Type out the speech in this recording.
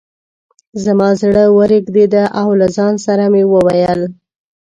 زما زړه ورېږده او له ځان سره مې وویل.